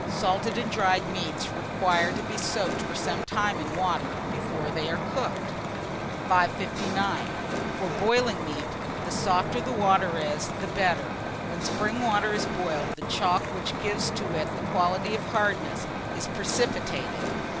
Salted and dried meats require to be soaked for some time in water before they are cooked. 559. FOR BOILING MEAT, the softer the water is, the better. When spring water is boiled, the chalk which gives to it the quality of hardness, is precipitated.